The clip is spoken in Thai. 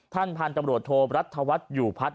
ท่านพันธ์กำรวจโทบรัฐวัตรอยู่พัฒน์